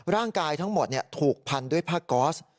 ร่างกายทั้งหมดถูกพันด้วยผ้าก๊อส